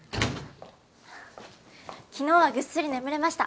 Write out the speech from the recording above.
昨日はぐっすり眠れました。